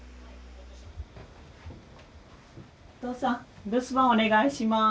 お父さん留守番お願いします。